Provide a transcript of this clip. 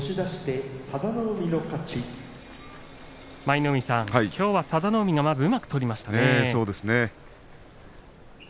舞の海さん、きょうは佐田の海うまく取りましたね。